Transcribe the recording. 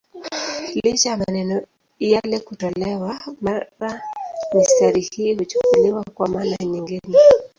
Licha ya maneno yale kutolewa, mara mistari hii huchukuliwa kwa maana nyingine.